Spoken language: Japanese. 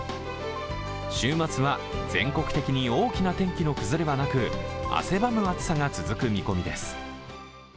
週末は全国的に大きな天気の崩れはなく汗ばむ暑さが続く見込みです。